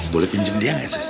boleh pinjem dia nggak sus